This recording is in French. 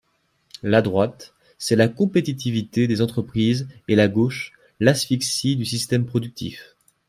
La droite, c’est la compétitivité des entreprises et la gauche, l’asphyxie du système productif.